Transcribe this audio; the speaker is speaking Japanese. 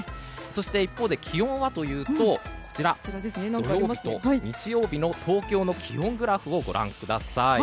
そして、一方で気温はというと土曜日と日曜日の東京の気温グラフをご覧ください。